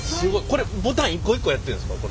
これボタン一個一個やってんですか？